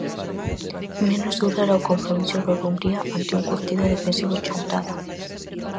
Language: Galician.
Menos duro era o compromiso do Dumbría ante un curtido e defensivo Chantada.